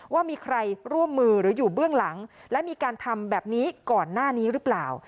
ว่ามีใครร่วมมือหรืออยู่เบื้องหลังและมีการทำแบบนี้ก่อนหน้านี้หรือเปล่า